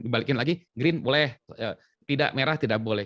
dibalikin lagi green boleh tidak merah tidak boleh